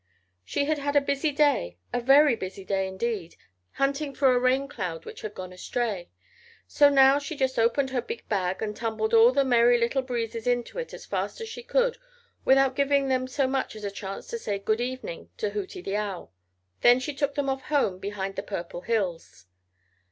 She had had a busy day, a very busy day indeed, hunting for a rain cloud which had gone astray. So now she just opened her big bag and tumbled all the Merry Little Breezes into it as fast as she could without giving them so much as a chance to say "Good evening" to Hooty the Owl. Then she took them off home behind the Purple Hills.